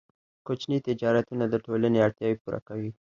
کوچني تجارتونه د ټولنې اړتیاوې پوره کوي.